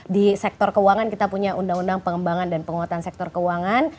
di sektor keuangan kita punya undang undang pengembangan dan penguatan sektor keuangan